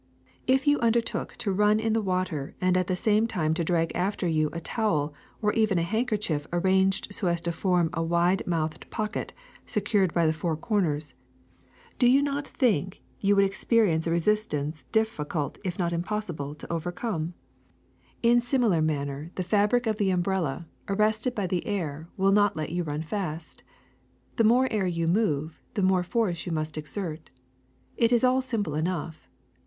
^'If you undertook to run in the water and at the same time to drag after you a towel or even a hand kerchief arranged so as to form a wide mouthed pocket secured by the four corners, do you not think 292 AIR 293 you would experience a resistance difficult if not im possible to overcome ? In similar manner the fabric of the umbrella, arrested by the air, will not let you run fast. The more air you move, the more force you must exert. It is all simple enough.